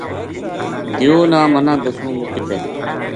دیو نا منا دسوں وہ کِت ہے